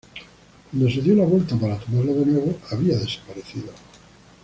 Cuando se dio la vuelta para tomarlo de nuevo, había desaparecido.